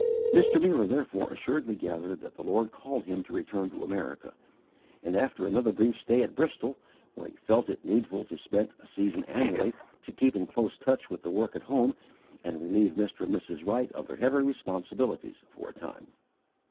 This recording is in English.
Mr. Muller therefore assuredly gathered that the Lord called him to return to America, after another brief stay at Bristol, where he felt it needful to spend a season annually, to keep in close touch with the work at home and relieve Mr. and Mrs. Wright of their heavy responsibilities, for a time.